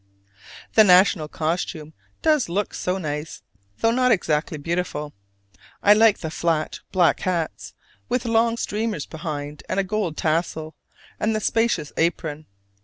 The national costume does look so nice, though not exactly beautiful. I like the flat, black hats with long streamers behind and a gold tassel, and the spacious apron.